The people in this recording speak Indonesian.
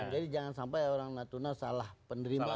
jadi jangan sampai orang natuna salah penerimaan